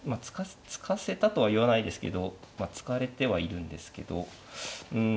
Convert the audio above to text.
突かせたとは言わないですけどまあ突かれてはいるんですけどうん